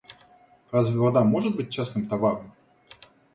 Разве вода может быть частным товаром?